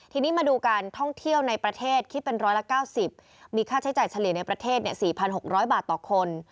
ทีนี้มาดูการท่องเที่ยวในประเทศคิดเป็นร้อยละ๙๐มีค่าใช้จ่ายเฉลี่ยในประเทศ๔๖๐๐บาทต่อคน